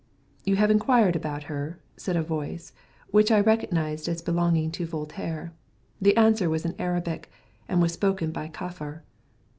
"You have inquired about her?" said a voice, which I recognized as belonging to Voltaire. The answer was in Arabic, and was spoken by Kaffar.